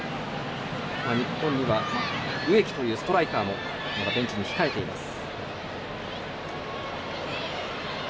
日本には、植木というストライカーもベンチに控えています。